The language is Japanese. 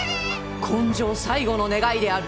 今生最後の願いである！